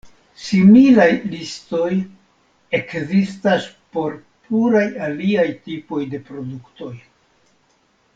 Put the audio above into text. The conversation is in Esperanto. Similaj listoj ekzistas por pluraj aliaj tipoj de produktoj.